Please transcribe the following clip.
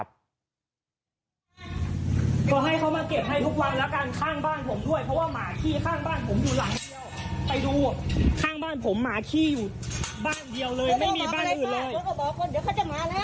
ไม่มีบ้านเดียวเลยไม่มีบ้านอื่นเลย